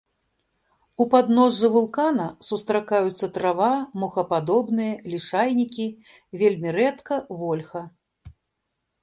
У падножжа вулкана сустракаюцца трава, мохападобныя, лішайнікі, вельмі рэдка вольха.